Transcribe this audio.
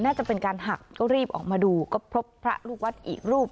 น่าจะเป็นการหักก็รีบออกมาดูก็พบพระลูกวัดอีกรูป